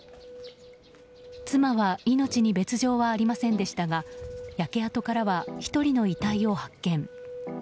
妻は命に別条はありませんでしたが焼け跡からは１人の遺体を発見。